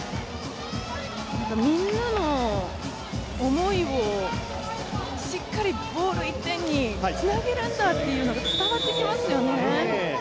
みんなの思いをしっかり１点につなげるんだというのを伝わってきますよね。